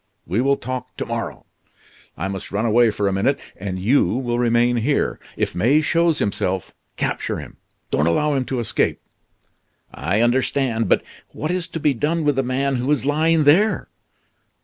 we will talk to morrow. I must run away for a minute, and you will remain here. If May shows himself, capture him; don't allow him to escape." "I understand; but what is to be done with the man who is lying there?"